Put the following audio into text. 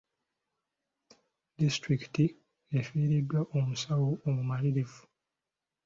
Disitulikiti efiiriddwa omusawo omumalirivu.